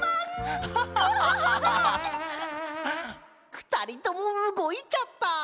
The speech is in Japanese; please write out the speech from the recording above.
ふたりともうごいちゃった。